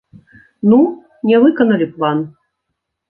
Ну, не выканалі план.